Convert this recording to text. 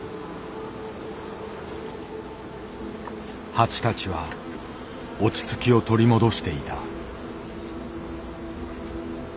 蜂たちは落ち着きを取り戻していた。